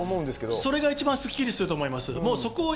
それが一番スッキリすると思います。